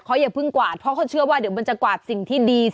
เขาอย่าเพิ่งกวาดเพราะเขาเชื่อว่าเดี๋ยวมันจะกวาดสิ่งที่ดี